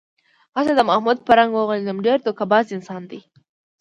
هسې د محمود په رنگ و غولېدم، ډېر دوکه باز انسان دی.